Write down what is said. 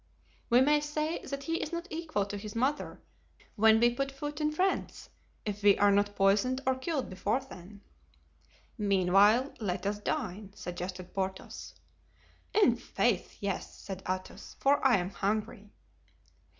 We may say that he is not equal to his mother when we put foot in France, if we are not poisoned or killed before then." "Meanwhile, let us dine," suggested Porthos. "I'faith, yes," said Athos, "for I am hungry."